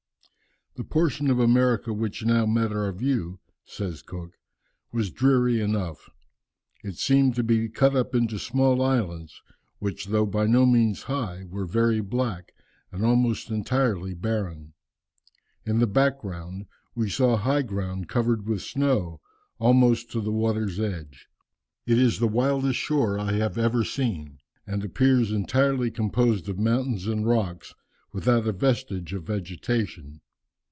"The portion of America which now met our view," says Cook, "was dreary enough. It seemed to be cut up into small islands, which though by no means high, were very black, and almost entirely barren. In the background, we saw high ground covered with snow, almost to the water's edge. It is the wildest shore I have ever seen, and appears entirely composed of mountains and rocks, without a vestige of vegetation.